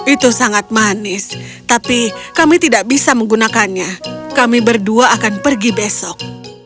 itu sangat manis tapi kami tidak bisa menggunakannya kami berdua akan pergi besok